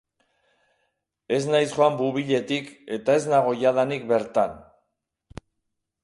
Ez naiz joan Bouvilletik eta ez nago jadanik bertan.